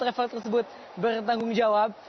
travel tersebut bertanggung jawab